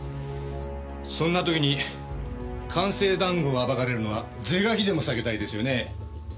そんな時に官製談合が暴かれるのは是が非でも避けたいですよね。